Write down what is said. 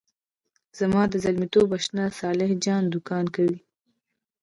زما د زلمیتوب آشنا صالح جان دوکان کوي.